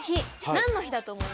何の日だと思いますか。